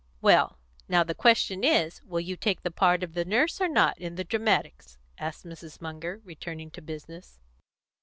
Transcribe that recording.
"Well and now the question is, will you take the part of the Nurse or not in the dramatics?" asked Mrs. Munger, returning to business.